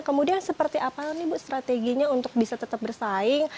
kemudian seperti apa nih bu strateginya untuk bisa tetap bersaing